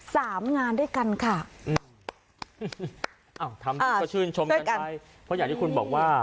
สามงานด้วยกันค่ะอืมอ่าช่วยกันเพราะอย่างที่คุณบอกว่า